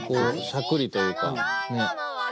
しゃくりというか。